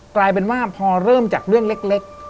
กลายเป็นว่าพอเริ่มจากเรื่องเล็ก